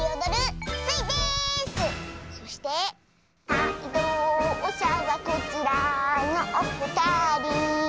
「かいとうしゃはこちらのおふたり」